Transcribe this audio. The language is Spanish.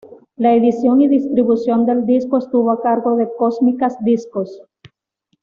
La edición y distribución del disco estuvo a cargo de Cósmica Discos.